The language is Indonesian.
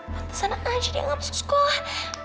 mantasan aja dia gak masuk sekolah